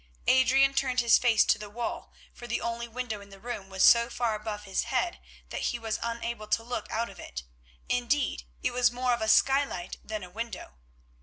Adrian turned his face to the wall, for the only window in the room was so far above his head that he was unable to look out of it; indeed, it was more of a skylight than a window.